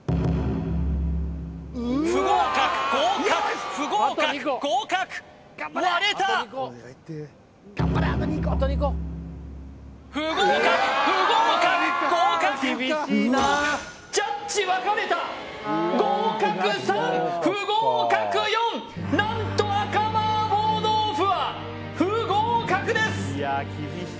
不合格合格不合格合格割れた不合格不合格合格ジャッジ分かれた合格３不合格４何と赤麻婆豆腐は不合格です